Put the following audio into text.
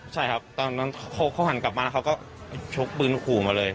ใช่ครับตอนนั้นเขาหันกลับมาแล้วเขาก็ชกปืนขู่มาเลย